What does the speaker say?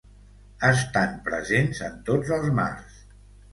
Estan presents en tots els mars.